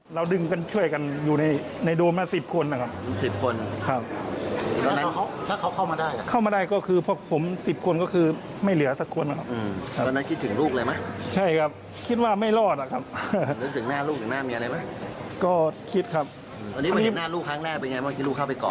ตอนนี้มาเห็นหน้าลูกครั้งแรกเป็นยังไงเมื่อกี้ลูกเข้าไปกอดอันนี้